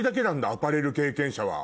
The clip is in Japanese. アパレル経験者は。